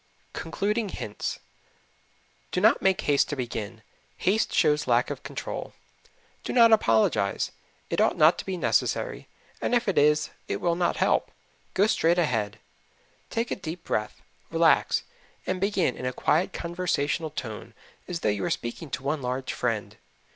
Concluding Hints Do not make haste to begin haste shows lack of control. Do not apologize. It ought not to be necessary; and if it is, it will not help. Go straight ahead. Take a deep breath, relax, and begin in a quiet conversational tone as though you were speaking to one large friend.